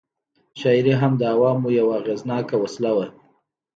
شاعري هم د عوامو یوه اغېزناکه وسله وه.